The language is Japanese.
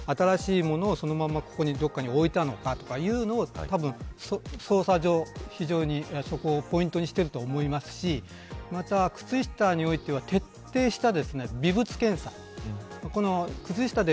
あるいは、どこかに保管されていたものを新しいものをそのまま、どこかに置いたのかとかいうのを捜査上、非常にそこをポイントにしていると思いますしまた、靴下においては徹底した微物検査。